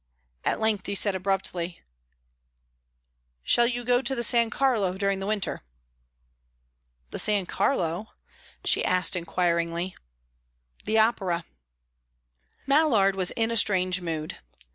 At length he said abruptly: "Shall you go to the San Carlo during the winter?" "The San Carlo?" she asked inquiringly. "The opera." Mallard was in a strange mood.